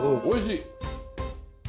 おいしい。